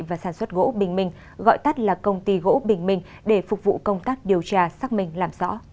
và sản xuất gỗ bình minh gọi tắt là công ty gỗ bình minh để phục vụ công tác điều tra xác minh làm rõ